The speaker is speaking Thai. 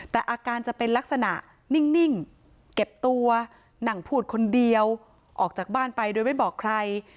แต่อาการจะเป็นลักษณะนิ่งเก็บตัวนั่งพูดคนเดียวออกจากบ้านไปโดยไม่บอกใคร